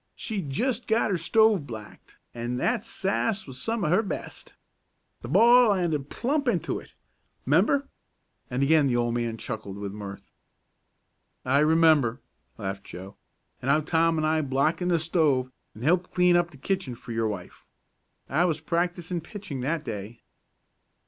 She'd just got her stove blacked, an' that sass was some of her best. Th' ball landed plump into it! 'Member?" and again the old man chuckled with mirth. "I remember," laughed Joe. "And how Tom and I blackened the stove, and helped clean up the kitchen for your wife. I was practising pitching that day."